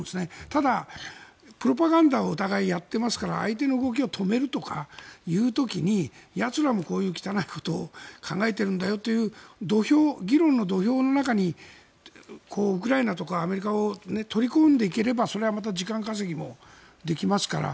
ただ、プロパガンダをお互いにやっていますから相手の動きを止めるとかいう時にやつらもこういう汚いことを考えているんだよという議論の土俵の中にウクライナとかアメリカを取り込んでいければそれはまた時間稼ぎもできますから。